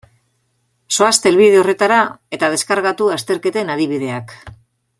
Zoazte helbide horretara eta deskargatu azterketen adibideak.